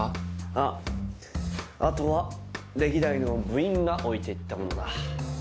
あああとは歴代の部員が置いて行ったものだ。